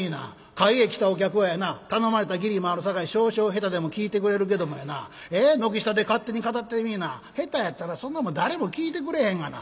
会へ来たお客はやな頼まれた義理もあるさかい少々下手でも聴いてくれるけどもやな軒下で勝手に語ってみいな下手やったらそんなもん誰も聴いてくれへんがな。